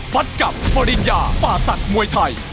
ฟัดกับปริญญาป่าศักดิ์มวยไทย